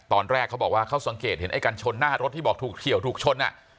ตอนแรกเขาบอกว่าเขาสังเกตเห็นไอ้กันชนหน้ารถที่บอกถูกเฉียวถูกชน